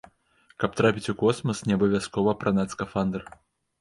Каб трапіць у космас, не абавязкова апранаць скафандр!